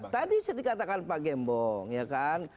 tadi dikatakan pak gembong ya kan